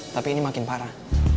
tapi ini makin parah